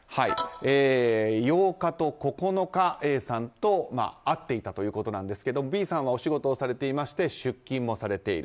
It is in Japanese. ８日と９日、Ａさんと会っていたということですがＢさんはお仕事をされていまして出勤をされている。